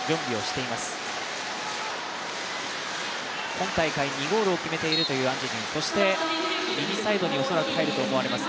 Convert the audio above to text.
今大会２ゴールを決めているというアン・ジェジュン、そして右サイドに入ると思われます